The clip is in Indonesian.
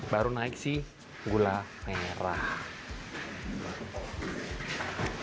baru naik sih gula merah